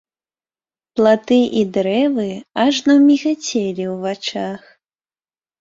Платы і дрэвы ажно мігацелі ў вачах.